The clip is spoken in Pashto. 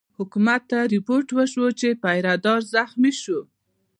حکومت ته رپوټ وشو چې پیره دار زخمي شوی.